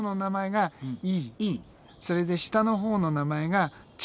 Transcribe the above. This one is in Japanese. それで下のほうの名前がチー。